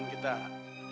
jadi berhenti yaa